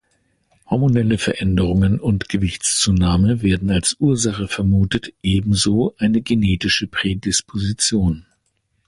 Hormonelle Veränderungen und Gewichtszunahme werden als Ursachen vermutet, ebenso eine genetische Prädisposition.